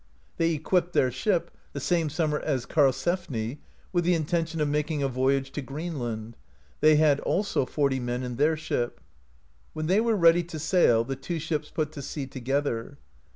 They equipped their ship, the same summer as Karlsefni, with the intention of making a voyage to Greenland ; they had also forty men in their ship. When they were ready to sail, the two ships put to sea together.